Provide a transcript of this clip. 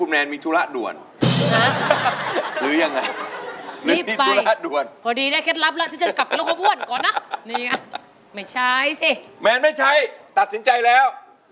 แมนไม่ใช้ตัดสินใจแล้ว